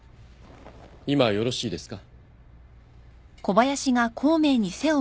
今よろしいですか？